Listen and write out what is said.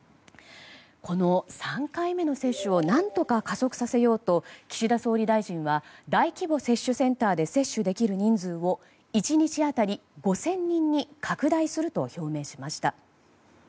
この３回目の接種を何とか加速させようと岸田総理大臣は大規模接種センターで接種できる人数を１日当たり５０００人に拡大すると表明しました。